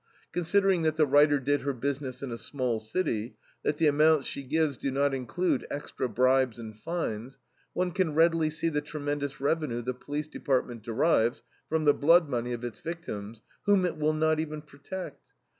Considering that the writer did her business in a small city, that the amounts she gives do not include extra bribes and fines, one can readily see the tremendous revenue the police department derives from the blood money of its victims, whom it will not even protect.